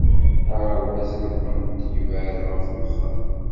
Aɣerbaz-nwent yebɛed ɣef wexxam?